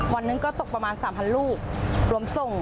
วันหนึ่งก็ตกประมาณ๓๐๐ลูกรวมส่ง